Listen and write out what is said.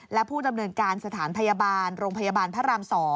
และผู้ดำเนินการสถานพยาบาลโรงพยาบาลพระราม๒